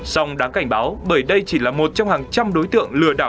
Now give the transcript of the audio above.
song đáng cảnh báo bởi đây chỉ là một trong hàng trăm đối tượng lừa đảo